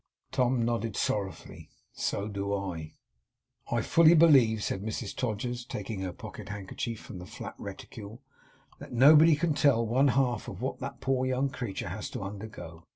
Tom nodded sorrowfully, 'So do I.' 'I fully believe,' said Mrs Todgers, taking her pocket handkerchief from the flat reticule, 'that nobody can tell one half of what that poor young creature has to undergo.